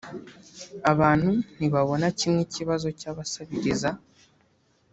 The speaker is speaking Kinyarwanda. Abantu ntibabona kimwe ikibazo cy’abasabiriza